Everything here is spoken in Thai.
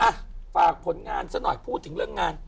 อ่ะฝากผลงานซะหน่อยพูดถึงเรื่องงาน